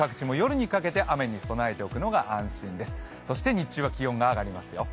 日中は気温が上がりますよ。